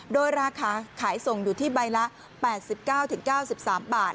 โดยราคาขายส่งอยู่ที่ใบละ๘๙๙๓บาท